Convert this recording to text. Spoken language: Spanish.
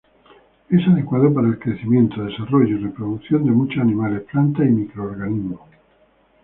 Es adecuado para el crecimiento, desarrollo y reproducción de muchos animales, plantas y microorganismos.